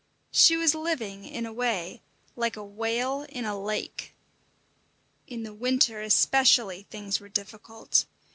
She was living, in a way, like a whale in a lake. In the winter especially things were difficult.